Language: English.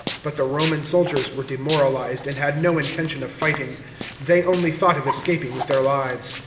But the Roman soldiers were demoralised, and had no intention of righting; they only thought of escaping with their lives.